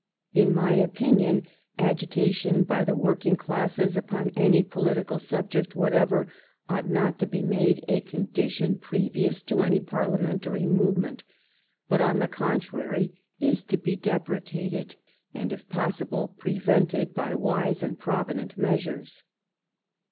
In my opinion, agitation by the working classes upon any political subject whatever ought not to be made a condition previous to any Parliamentary movement, but, on the contrary, is to be deprecated, and, if possible, prevented by wise and provident measures."